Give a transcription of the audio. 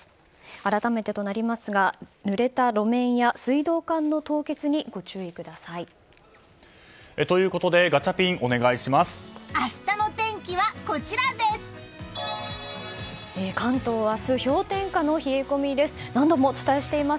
改めてとなりますがぬれた路面や水道管の凍結にご注意ください。ということでガチャピンお願いします。